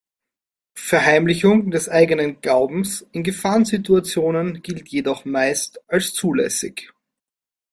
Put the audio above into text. Verheimlichung des eigenen Glaubens in Gefahrensituation gilt jedoch meist als zulässig.